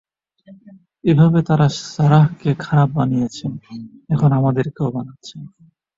এভাবে তারা সারাহকে খারাপ বানিয়েছে, এখন আমাদেরকেও বানাচ্ছে।